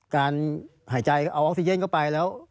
การหายใจเอาออกซิเจนเข้าไปแล้ว